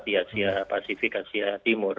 di asia pasifik asia timur